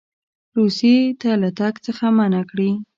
روسیې ته له تګ څخه منع کړي.